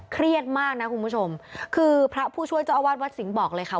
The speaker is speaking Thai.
เครียดมากนะคุณผู้ชมคือพระผู้ช่วยเจ้าอาวาสวัดสิงห์บอกเลยค่ะ